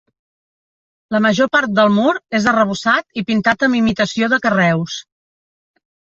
La major part del mur és arrebossat i pintat amb imitació de carreus.